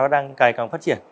đang cài còng phát triển